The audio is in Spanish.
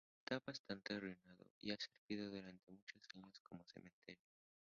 Está bastante arruinado y ha servido durante muchos años como cementerio.